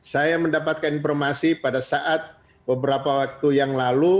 saya mendapatkan informasi pada saat beberapa waktu yang lalu